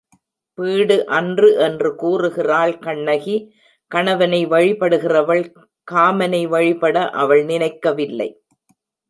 Bead அன்று என்று கூறுகிறாள் கண்ணகி, கணவனை வழிபடுகின்றவள் காமனை வழிபட அவள் நினைக்க வில்லை.